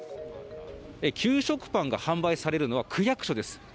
給食パンが販売されるのは区役所です。